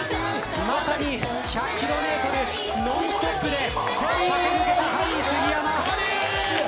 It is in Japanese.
まさに１００ｋｍをノンストップで駆け抜けたハリー杉山。